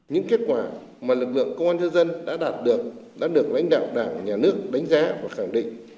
những kết quả mà lực lượng công an nhân dân đã đạt được đã được lãnh đạo đảng nhà nước đánh giá và khẳng định